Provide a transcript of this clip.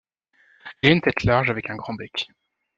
Il a une tête large avec un grand bec.